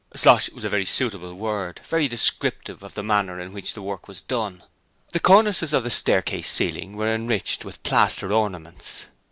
'Slosh' was a very suitable word; very descriptive of the manner in which the work was done. The cornices of the staircase ceilings were enriched with plaster ornaments.